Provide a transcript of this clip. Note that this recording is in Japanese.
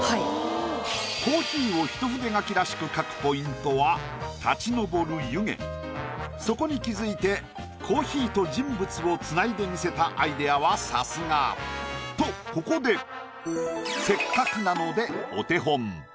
コーヒーを一筆書きらしく描くそこに気づいてコーヒーと人物を繋いでみせたアイディアはさすが。とここでせっかくなのでお手本。